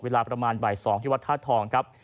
เวลาประมาณบ่าย๒ที่วัดธาตุทองครับ